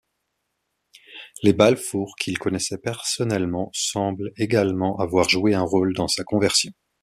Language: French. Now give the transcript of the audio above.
Les Balfour, qu'il connaissait personnellement, semblent également avoir joué un rôle dans sa conversion.